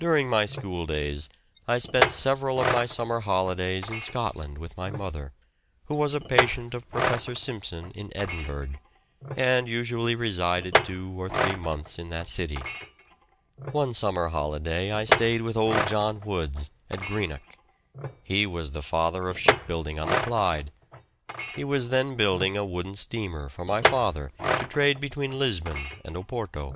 During my school days I spent several of my summer holidays in Scotland with my mother, who was a patient of Professor Simpson in Edinburgh, and usually resided two or three months in that city. One summer holiday I stayed with old John Woods, at Greenock. He was the father of shipbuilding on the Clyde. He was then building a wooden steamer for my father to trade between Lisbon and Oporto.